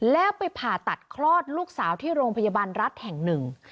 แล้วไปผ่าตัดคลอดลูกสาวที่โรงพยาบาลรัฐแห่งหนึ่ง